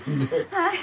はい。